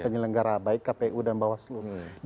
penyelenggara baik kpu dan bawaslu